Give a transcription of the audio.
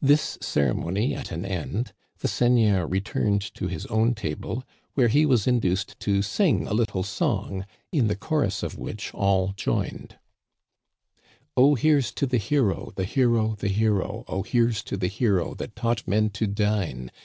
This ceremony at an end, the seigneur returned to Digitized by VjOOQIC THE MAY FEAST. 121 his own table, where he was induced to sing a little song, in the chorus of which all joined. •* Oh, here's to the hero. The hero, the hero ; Oh, here's to the hero That taught men to dine